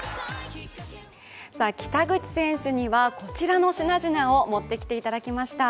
北口選手にはこちらの品々を持ってきていただきました。